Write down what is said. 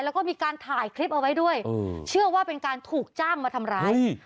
แล้วก็มีการถ่ายคลิปเอาไว้ด้วยอืมเชื่อว่าเป็นการถูกจ้างมาทำร้ายอืม